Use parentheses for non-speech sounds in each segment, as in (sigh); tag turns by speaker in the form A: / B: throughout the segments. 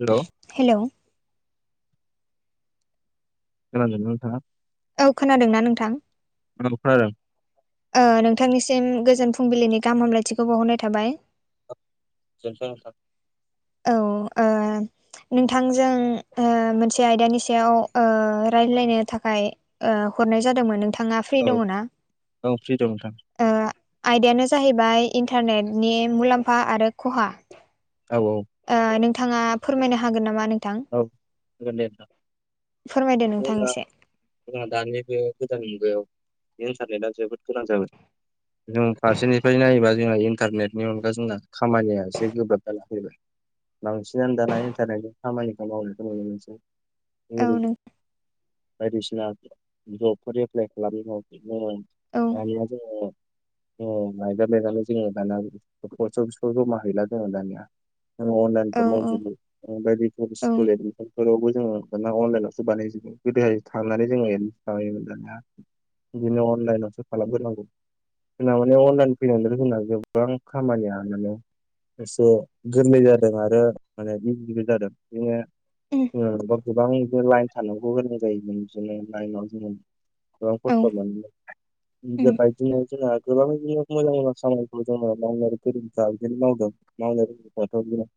A: Hello
B: hello
A: खोनादोंना नोंथांया
B: औ खोनादों ना नोंथां
A: औ खोनादों
B: नोंथांनिसिम गोजोन फुंबिलिनि गाहाम हामलायथिखौ बावहरनाय थाबाय।
A: (unintelligible)
B: औ आ नोंथांजों मोनसे आयदानि सायाव रायज्लायनो थाखाय हरनाय जादोंमोन नोंथांङा फ्रि
A: औ
B: दंङो ना
A: औ फ्रि दं नोंथां
B: आयदायानो जाहैबाय इन्टारनेटनि मुलाम्फा आरो खहा
A: औ
B: ओ नोंथाङा फोरमायनो हागोन नामा नों नोंथां
A: औ जागोन दे नोंथां
B: फोरमायदो नोंथां
A: जोंना
B: एसे
A: जोंहा दानि बे गोदान मुगायाव इन्सारनेटआ जोबोद गोनां जाबाय। जों फारसेनिफ्राय नायोबा जोंहा इन्टारनेटनि अनगा जोंना खामानिया एसे गोब्राब ज ला फैबाय बांसिनानो दाना इन्टारनेटजों। खामानि मावावनो मस
B: औ नों
A: बायदिसिना जबफोर एप्लाइ खालाम माव
B: औ
A: दानिया जोङो। मायजा मायालाय जोङो दानया अस जमा हैला जोङो दानिया आं
B: औ
A: अनलाइनखौ
B: औ
A: मावजोबो बायदि
B: औ
A: स्कुल एडमिसनफोरावबो दाना अनलाइनावसो बानायजो गोदोहाय थांनानै जोङो एडमिसन खालामोमोन जानाया बिदिनो अनलाइनावसो खालामग्रो नांगौ। जोंना माने अनलाइन फैनांदों होनना गोबां खामानिया मानानो एसे गोरलै जादों आरो माने बिजिबो जादों बि
B: उम
A: गोबां बिनो लाइन थानांगौ गां जायोमोन बिदिनो लाइनाव जोङो।
B: औ
A: बायदि
B: उम
A: गोबां बिदि मोजां मोजां खामानिखौ जोङो मावनो गोरों बिदिनो मावदों मावनो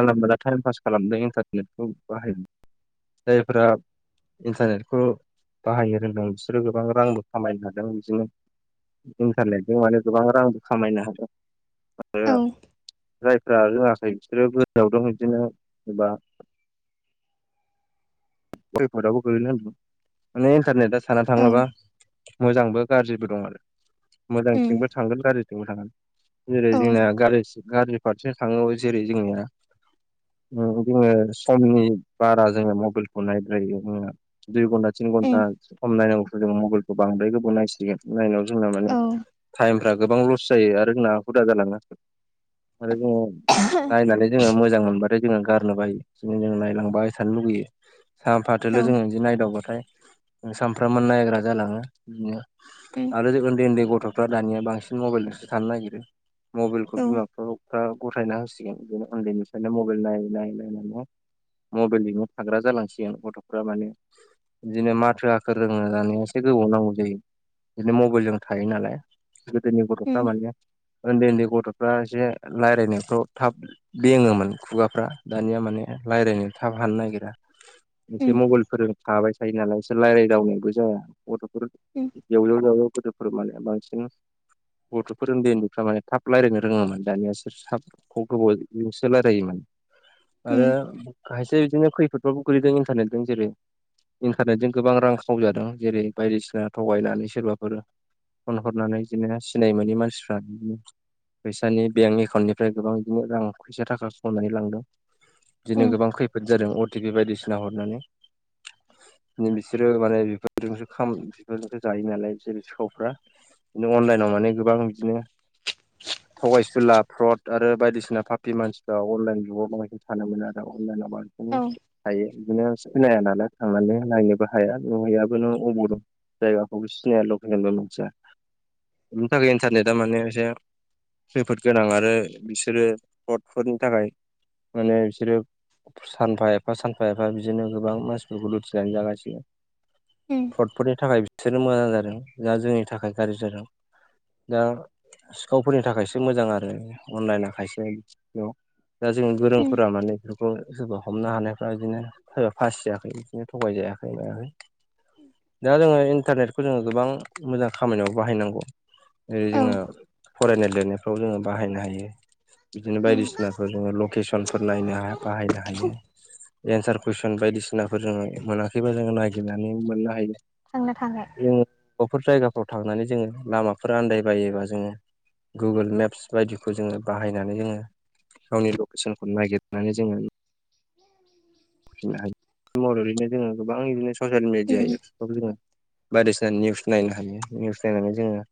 A: जलाब दा टाइम पास खालामदों इन्टारनेटखौ बाहायदों। जायफोरा इन्टारनेटखौ बाहायनो रोंदों बिसोरो गोबां रांबो खामायनो हादों बिदिनो। इन्खारारनेटजों माने गोबां रांबो खामायनो हाग
B: औ
A: आरो जायफ्रा रोङाखै बिसोरो गोजआव दं बिदिनो जबा गयफटआवबो गो्लैनो होनदोंमोन माने इन्टारनेट आ साना
B: औ
A: थाङोबा मोजांबो गाज्रिबो दं आरो
B: उम
A: मोजांथिंबो थांगोन गाज्रिथिंबो थांगोन। जेरै
B: औ
A: जोंनिया गाज्रि गाज्रि फारसें थाङो जेरै जोंनिया जोङो समनि बारा जोङो मबाइलखौ नायद्रायो। दुइ घन्टा थिन
B: उम
A: घन्टा सम नायनांगौखौ जों मबाइलखौ बां जोंरायबाव नायसिगोन नाया जोंना माने
B: औ
A: टाइम फ्रा गोबां लस खुस जायो आरो जोंना हुदा जालांनो आरो जोङो
B: (inaudible)
A: नायनानै जोङो मोजां मोनबाथाय जोङो गारनो बायो बिदिनो जोङो नायलांबाय थानो लुुबैयो। सानफाथोल'
B: औ
A: जोङो बिदि नायदावबाथाय सानफ्रामबो नायग्रा जालाङो बि
B: उम
A: आरो ज उन्दै उन्दै गथ'फ्रा दानिया बांसिन मबाइलजोंसो थानो नागिरो
B: औ
A: मबाइलखौ बिमा बिफाव फा गथायना होसिगोन बिदिनो उन्दैनिफ्रायनो मबाइल नायै नायै नायनानै मबाइलनिल' थाग्रा जालांसिगोन गथ'फ्रा माने। बिदिनो माथो आखोर रोंहोनानै एसे गोबाव नांगौ जायो। बिदिनो मबाइलजों थायो नालाय गोदोनि
B: उम
A: गथ'फ्रा माने ओन्दै ओन्दै गथ'फ्रा एसे रायज्लायनायफ्राव थाब बेङोमोन खुगाफ्रा दानिया माने रायलायनो थाब हानो नागिरा एसे
B: उम
A: मबाइलफोरजों थाबाय थायो नालाय एसोर रायलायदावनायबो जाया गथ'फोर
B: उम
A: जेवजेव जावजाव गोदोफोर माने बांसिन गथ'फोर ओन्दै ओन्दैफ्रा माने थाब रायलायनो रोङोमोन दानिया बिसोर गोबावजोंसो रायलायोमोन
B: उम
A: आरो खायसे बिदिनो खैफोद बा खुलिदों इनथारनेटजों जेरै इन्टारनेटजों गोबां रां खावजादों जेरै बायदिसिना थगायनानै सोरबाफोर फन हरनानै बिदिनो सिनाय मोनिमानसिफ्रा बिदिनो फैसानि बेंक एकाउन्टनिफ्राय गोबां बिदिनो रां फैसा थाखा खावनानै लांदों। बिदिनो
B: उम
A: गोबां खैफोद जादों अटिपि बायदिसिना हरनानै बिसोरो माने बिफोरजोंसो ख बिफोरजोंसो जायो नालाय बि सिखावफ्रा बिनो अनलाइनाव माने गोबां बिदिनो
B: (inaudible)
A: थगायसुला फ्रद आरो बायदिसिना फापि मानसिफ्रा अनलाइन जुगाव माबायदि थानो मोनो आरो अनलाइनाव नो
B: औ
A: हायो बिदिनो सिनाया नालाय थांनानै नायनोबो हाया नुहैयाबो नों अबाव दं। जायगाखौबो सिनाया लकेलबो मोनथिया बेनि थाखाय इन्टारनेटआ माने एसे खैफोद गोनां आरो बिसोरो रडफोरनि थाखाय माने बिसोरो सानफा एफा सानफा एफा बिदिनो गोबां मानसिफोरखौ लुथिनानै जागासिनो।
B: उम
A: फ्रडफोरनि थाखाय बिसोरनो मोजां जादों दा जोंनि थाखाय गाज्रि जादों। दा गावफोरनि थाखायसो मोजां आरो अनलाइना खायसे बेयाव दा जों
B: उम
A: गोरोंफोरा माने बेफोर खौ सोरबा हमनो हानायफ्रा बिदिनो सोरबा फासियाखै बिदिनो थगाय जायाखै मायाखै। दा जोङो इन्टारनेटखौ जोङो गोबां मोजां खामानियाव बाहायनांगौ। जेरै
B: औ
A: जोङो फरायनाय लिरनायफ्राव जोङो बाहायनो हायो। बिदिनो
B: उम
A: बायदिसिनाफोर जोङो लकेसनफोर नायनो हा बाहायनो हायो। एन्सार कुइसन बायदिसिनाफोर जोङो मोनाखैबा जोङो नागिरनानै मोननो हायो।
B: थांनो हाबाय।
A: जों अबाफोर जायगाफ्राव थांनानै जोङो लामाफोर आन्दायबायोबा जोङो गुगोल मेप्स बायदिखौ जोङो बाहायनानै जोङो गावनि लकेसनखौ नागिरनानै जोङो नुनो हायो मबेलाव बिदिनो जोङो गोबां बिदिनो ससियेल मिडिया
B: उम
A: बे जोङो बायदिसिना निउस नायनो हायो। निउस नायनानै जोङो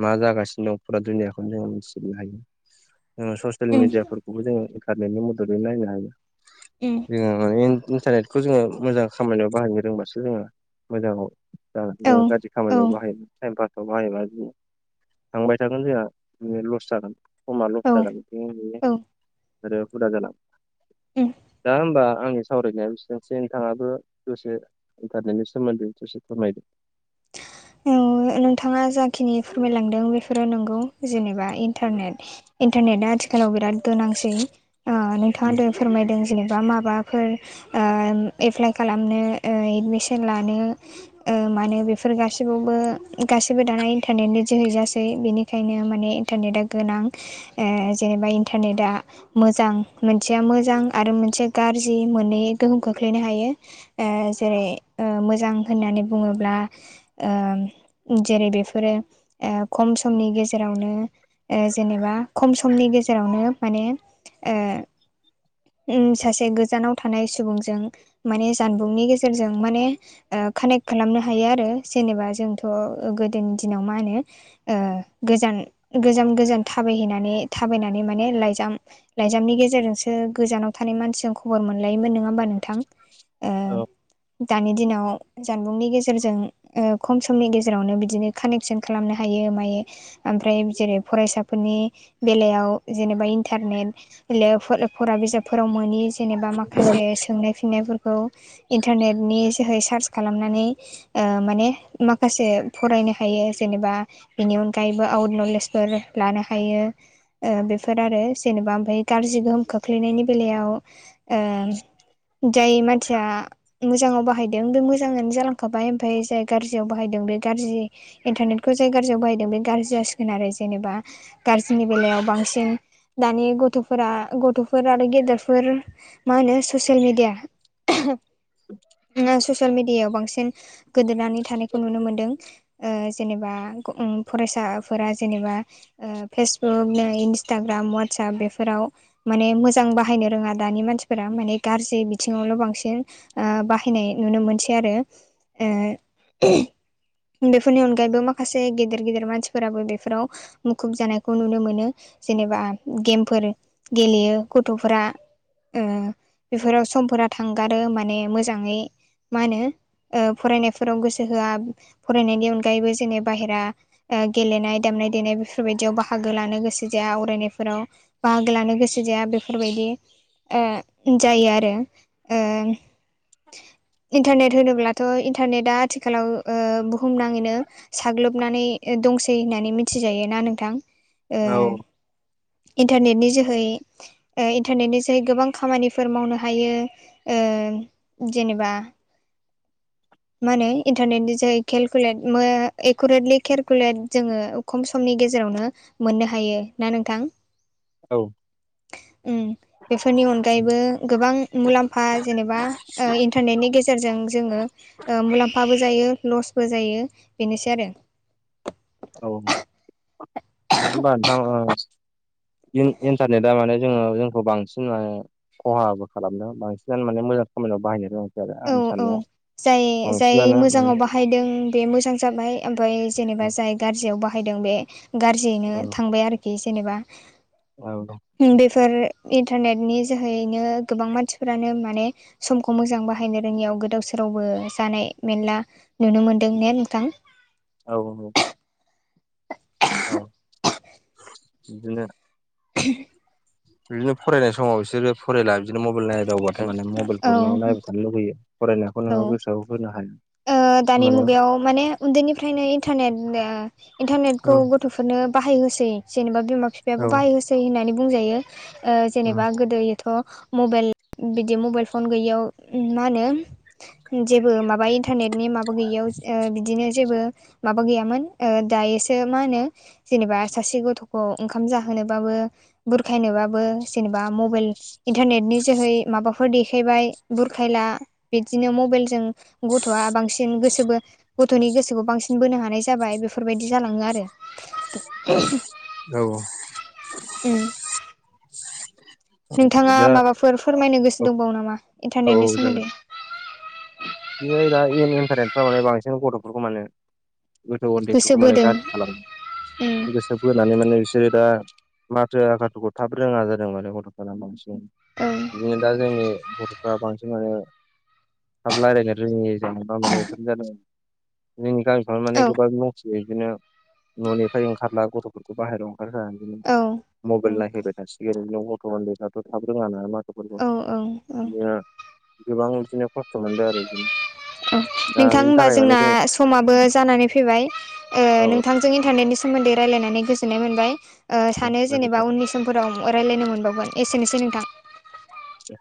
A: मा जागासिनो दं फुरा दुनियाखौनो जोङो मिथिनो हायो। ओ ससियेल
B: उम
A: मिडियाफोरखौबो जोङो इन्टारनेटनि मददै नायनो हायो।
B: ए
A: जोङो माने इन्टारनेटखौ जोङो मोजां खामानियाव बाहायनो रोंबासो जोङो मोजाङाव
B: औ
A: गाज्रि
B: औ
A: खामानियाव बाहायो टाइम पासाव बाहायोबा थांबाय थागोन जोंहा बिनो लस जागोन। समा लस
B: औ
A: जागोन
B: औ
A: आरो हुदा
B: उम
A: जालाङो दा होमबा आंनि सावरायनाया बेसेबनोसै नोंथाङाबो दसे इन्टारनेटनि सोमोन्दै दसे फोरमायदो।
B: औ नोंथाङा जाखिनि फोरमायलांदों बेफोरो नंगौ। जेनेबा इन्टारनेट इन्टारनेटआ आथिखालाव बिराद गोनांसै अ नोंथाङा फोरमायदों जेनेबा माबाफोर ओ एप्लाइ खालामनो ओ एडमिसन लानो ओ माने बेफोर गासि बो गासिबो दाना इन्टारनेटनि जोहैजासै बेनिखायनो माने इन्टारनेटआ गोनां। ओ जेनेबा इन्टारनेटआ मोजां मोनसेया मोजां आरो मोनसे गाज्रि मोननै गोहोम खोख्लैनो हायो। ओ जेरै ओ मोजां होननानै बुङोब्ला ओ जेरै बेफोरो खम समनि गेजेरावनो जेनेबा खम समनि गेजेरावनो माने ओ उम सासे गोजानाव थानाय सुबुंजों माने जानबुंनि गेजेरजों माने कानेक्ट खालामनो हायो आरो जेनेबा जोंथ' गोदोनि दिनाव मा होनो गोजान गोजाम गोजाम थाबायहैनानै थाबायनानै माने लाइजाम लाइजामनि गेजेरजोंसो गोजानाव थानाय मानसिजों खबर मोनलायोमोन नङा होमबा नोंथां? ओ
A: औ
B: दानि दिनाव जानबुंनि गेजेरजों ओ खम समनि गेजेरावनो बिदिनो कानेक्सन खालामनो हायो मायो। ओमफ्राय जेरै फरायसाफोरनि बेलायाव जेनेबा इन्टारनेट फरा बिजाबफोराव मनि जेनेबा माखासे सोंनाय फिन्नायफोर खौ इन्टारनेटनि जोहै सार्च खालामनानै माने माखासे फरायनो हायो जेनेबा बेनि अनगायैबो आउट नलेजफोर लानो हायो। ओ बेफोर आरो जेनेबा ओमफ्राय गाज्रि गोहोम खोख्लैनायनि बेलायाव ओ जाय मानसिया मोजाङाव बाहायदों बे मोजाङानो जालांखाबाय ओमफाय जाय गाज्रियाव बाहायदों बे गाज्रि इन्टारनेटखौ जाय गाज्रियाव बाहायदों बे गाज्रि जासिगोन आरो जेनेबा गाज्रिनि बेलायाव बांसिन दानि गथ'फोरा गथ'फोर आरो गेदेरफोर मा होनो ससियेल मेडिया ससियेल मिडियाायाव बांसिन गोदोननानै थानायखौ नुनो मोनदों ओ जेनेबा उम फरायसाफोरा जेनेबा ओ फेसबुक नै इन्सटाग्राम वाटसाप बेफोराव माने मोजां बाहायनो रोङा दानि मानसिफोरा माने गाज्रि बिथिङावल' बांसिन ओ बाहायनाय नुनो मोनसै आरो ओ बेफोरनि अनगायैबो माखासे गेदेर गेदेर मानसिफोराबो बेफोराव मुखुब जानायखौ नुनो मोनो जेनेबा गेमफोर गेलेयो गथ'फोरा ओ बेफोराव समफोरा थांगारो माने मोजाङै मा होनो ओ फरायनायफोराव गोसो होआ फरायनायनि अनगायैबो जेनि बाहेरा ओ गेलेनाय दामनाय देनाय बेफोरबायदियाव बाहागो लानो गोसो जाया आवरायनायफोराव बाहागो लानो गोसो जाया बेफोरबायदि ओ जायो आरो इन्टारनेट होनोब्ला थह इन्टारनेटा आथिखालाव ओ बुहुमनाङैनो साग्लोबनानै दंसै होननानै मिथिजायो ना नोंथां
A: औ
B: इन्टारनेट नि जोहै ओ इन्टारनेटनि जोहै गोबां खामानिफोर मावनो हायो ओ जेनेबा मा होनो इन्टारनेटनि ज केलकुलेट एकुरेटलि केलकुलेट जोङो खम समनि गेजेरावनो मोननो हायो ना नोंथां
A: औ
B: उम बेफोरनि अनगायैबो गोबां मुलाम्फा जेनेबा ओ इन्टारनेटनि गेजेरजों जोङो ओ मुलाम्फाबो जायो लसबो जायो बेनोसै आरो
A: औ ना होमबा नोंथां इन्टारनेटआ माने जोङो जोंखौ बांसिन माने खहाबो खालामदों बांसिनानो माने मोजां खामानियाव बाहायनो रोङांसै आरो
B: औ
A: आं
B: औ
A: साननायाव
B: जाय जाय
A: बांसिनानो माने
B: मोजाङाव बाहायदों बे मोजां जाबाय ओमफ्राय जेनेबा
A: उम
B: जाय गाज्रियाव बाहायदों बे गाज्रियैनो थांबाय आरोखि जेनेबा
A: औ द
B: फोर इन्टारनेटनि जोहैैनो गोबां मानसिफोरानो माने समखौ मोजां बाहायो बाहायनो रोङियाव गोदाव सोरावबो जानाय मेरला नुनो मोन्दों ने नोंथां
A: औ औ बिदिनो
B: (inaudible)
A: बिदिनो फरायनाय समाव बिसोरो फरायला बिदिनो मबाइल नायदावब थारमाने
B: औ
A: मबाइलखौल नायबाय थानो लुुबैयो फरायनायखौ
B: औ
A: नोङो गोसोआव होनो हाया
B: ओ दानि
A: माने
B: मुगायाव माने उन्दैनिफ्रायनो इन्टारनेट ओ
A: औ
B: इन्टारनेटखौ गथ'फोरनो बाहाय होसै जेनेबा बिमा
A: औ
B: बिफायाबो बाहाय होसै होननानै बुंजायो ओ जेनेबा गोदोयोथ' मबेल दि मबाइल फन गैयैयाव मा होनो जेबो माबायो इन्टारनेटनि माबा गैयियाव ओ बिदिनो जेबो माबा गैयामोन ओ दायोसो मा होनो जेनेबा सासे गथ'खौ ओंखाम जाहोनोबाबो बुरखायनोबाबो जेनेबा मबाइल इन्टारनेटनि जोहै माबा फोर देखायबाय बुरखायला बिदिनो मबाइलजों गथ'आ बांसिन गोसोबो गथ'नि गोसोखौ बांसिन बोनो हानाय जाबाय बेफोरबायदि जालाङो आरो
A: औ।
B: उम।
A: औ
B: नोंथाङा
A: दा
B: माबाफोर फोरमायनो
A: औ
B: गोसो दंबावो नामा
A: औ
B: इन्टारनेटनि सोमोन्दै
A: बे दा ए इन्टारेन्फ्रा मे बांसिन गथ'फोरखौ माने गोथौ
B: गोसो
A: उन्दैफोरखौ माने
B: बोदों
A: गाज्रि
B: उम
A: खालामो गोसो थोब होनानै माने बिसोरो दा माथो आुखौ थाब रोङा जादों माने बांसिन
B: औ
A: बिदिनो दा जोंनि बरथ'फ्रा बांसिन थाब रायलायनो रोङै जों मा मे बेफोरनो ज जादों जोंनि गामि थ माने
B: औ
A: गोबां दथियो बिदिनो न'निफ्राय ओंखारला गथ'फोरखौ बाहेरायाव बिदिनो मबाइल
B: औ
A: नायफैबाय थासिगोन देफथ' थाब रोङा नालाय माथ'फोरखौ
B: औ औ
A: बिदिनो गोबां बिदिनो खस थोमदे आरो
B: औ नोंथां
A: बेनि
B: होनबा
A: थाखाय माने
B: जोंना
A: जों
B: समाबो जानानै फैबाय
A: औ
B: नोंथांजों इन्टारनेटनि सोमोन्दै रायजलायनानै गोजोननाय मोनबाय।
A: औ
B: सानो
A: जागोन दे
B: जेनेबा उननि समफोराव रायज्लायनो मोनबावगोन एसेनोसै नोंथां।
A: आ